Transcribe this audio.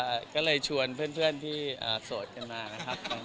ก็เลยชวนเพื่อนที่โสดกันมานะครับ